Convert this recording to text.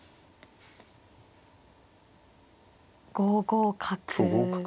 ５五角。